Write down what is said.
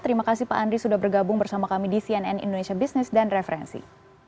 terima kasih pak andri sudah bergabung bersama kami di cnn indonesia business dan referensi